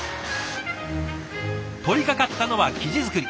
取りかかったのは生地作り。